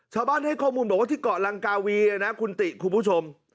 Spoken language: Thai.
ชาวบ้านให้ข้อมูลบอกว่าที่เกาะลังกาวีนะคุณติคุณผู้ชม